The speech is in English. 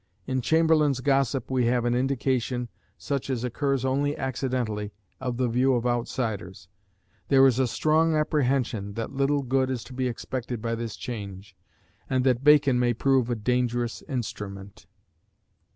In Chamberlain's gossip we have an indication, such as occurs only accidentally, of the view of outsiders: "There is a strong apprehension that little good is to be expected by this change, and that Bacon may prove a dangerous instrument."